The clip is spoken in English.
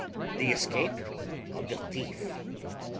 _The escape of the thief.